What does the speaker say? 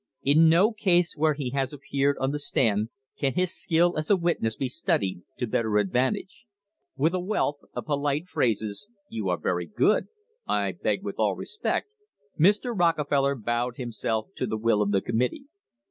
In no case where he has appeared on the stand can his skill as a witness be studied to better advan tage. With a wealth of polite phrases "You are very good," "I beg with all respect" Mr. Rockefeller bowed himself to the will of the committee.